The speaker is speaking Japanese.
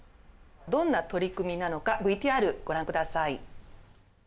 どんな取り組みなのかＶＴＲご覧ください。